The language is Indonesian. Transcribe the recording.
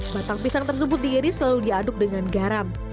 batang pisang tersebut diiris lalu diaduk dengan garam